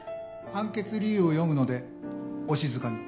判決理由を読むのでお静かに。